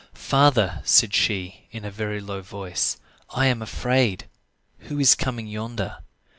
"Father," said she, in a very low voice, "I am afraid. Who is coming yonder?"